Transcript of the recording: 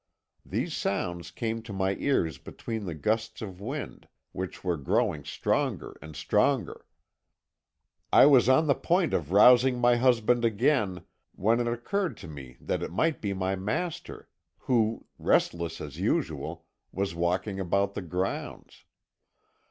These sounds came to my ears between the gusts of wind, which were growing stronger and stronger. "I was on the point of rousing my husband again when it occurred to me that it might be my master, who, restless as usual, was walking about the grounds.